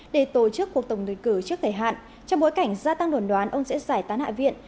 để tổ chức cuộc tổng tuyển cử trước thời hạn trong bối cảnh gia tăng đồn đoán ông sẽ giải tán hạ viện